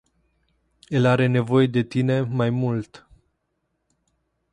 El are nevoie de tine mai mult.